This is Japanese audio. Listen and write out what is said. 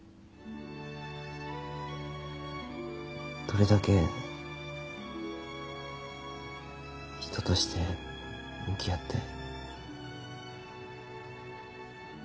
どれだけ人として向き合って。